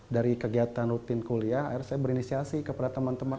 dari kegiatan rutin kuliah akhirnya saya berinisiasi kepada teman teman